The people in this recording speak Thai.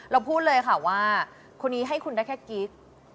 พูดเลยค่ะว่าคนนี้ให้คุณได้แค่กิ๊ก